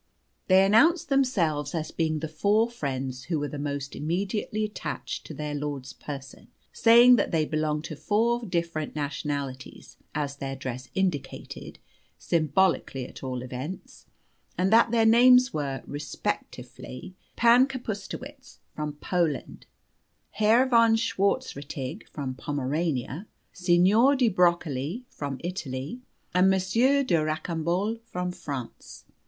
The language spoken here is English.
They announced themselves as being the four friends who were the most immediately attached to their lord's person, saying that they belonged to four different nationalities (as their dress indicated, symbolically, at all events), and that their names were, respectively, Pan Kapustowicz, from Poland; Herr von Schwartzrettig, from Pomerania; Signor di Broccoli, from Italy; and Monsieur de Rocambolle, from France.